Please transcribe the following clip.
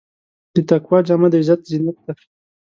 د تقوی جامه د عزت زینت دی.